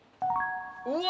うわ！